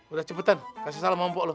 udah cepetan kasih salam sama lompok lu